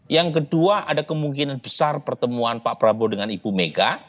yang kedua ada kemungkinan besar pertemuan pak prabowo dengan ibu mega